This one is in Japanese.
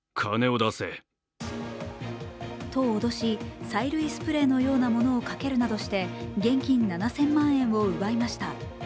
と脅し催涙スプレーのようなものをかけるなどして現金７０００万円を奪いました。